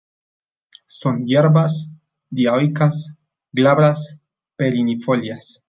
Son hierbas dioicas glabras perennifolias.